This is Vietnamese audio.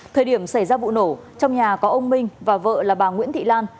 thời điểm xảy ra vụ nổ trong nhà có ông minh và vợ là bà nguyễn thị lan